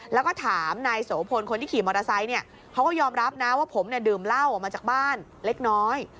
แล้วก็ถามนายโสพลคนที่ขี่มอเตอร์ไซค์เนี่ยเขาก็ยอมรับนะว่าผมเนี่ยดื่มเหล้าออกมาจากบ้านเล็กน้อย